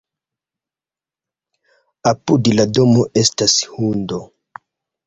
Apud la domo estas hundo.